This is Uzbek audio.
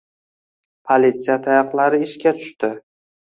Polisiya tayoqlari ishga tushdi